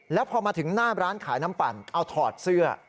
แล้วพอมาถึงหน้าร้านขายน้ำปั่นเอาถอดเสื้อ